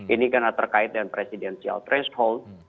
ini karena terkait dengan presidensial threshold